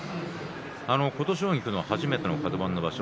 琴奨菊が初めてのカド番の場所